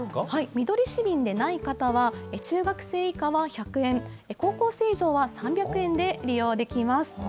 みどり市民でない方は、中学生以下は１００円、高校生以上は３００円で利用できます。